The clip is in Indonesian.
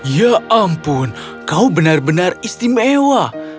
ya ampun kau benar benar istimewa